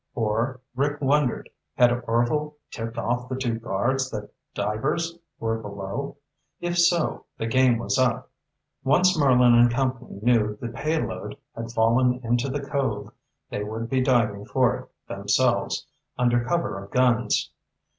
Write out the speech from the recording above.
Or, Rick wondered, had Orvil tipped off the two guards that divers were below? If so, the game was up. Once Merlin and company knew the payload had fallen into the cove, they would be diving for it themselves, under cover of guns.